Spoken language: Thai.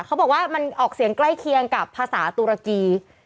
เขาบอกว่ามันออกเสียงใกล้เคียงกับภาษาตุรกี